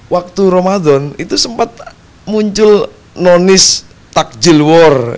waktu ramadan itu sempat muncul nonis takjil war